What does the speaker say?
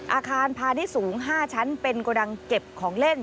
อาคารพาณิชสูง๕ชั้นเป็นโกดังเก็บของเล่น